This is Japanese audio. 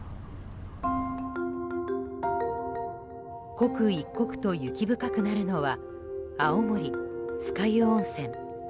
刻一刻と雪深くなるのは青森・酸ヶ湯温泉。